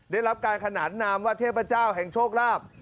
ได้รับการขนาดนามวัทย์เย็นเจ้าแห่งโชคราภต์